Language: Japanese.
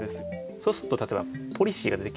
そうすると例えばポリシーが出てきます。